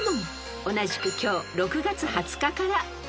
［同じく今日６月２０日から問題］